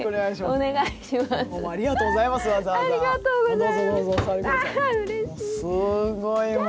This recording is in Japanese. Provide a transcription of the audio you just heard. すごい。